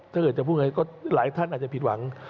ถ้าเกิดจะพูดไงก็หลายท่านอาจจะผิดหวัง